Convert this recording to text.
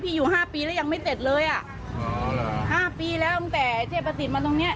พี่อยู่ห้าปีแล้วยังไม่เต็ดเลยอ่ะห้าปีแล้วตั้งแต่เทพศิษฐ์มาตรงเนี้ย